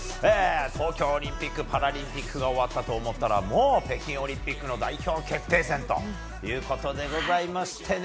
東京オリンピック・パラリンピックが終わったと思ったらもう北京オリンピックの代表決定戦ということでございましてね。